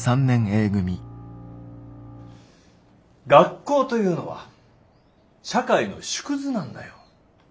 学校というのは社会の縮図なんだよ。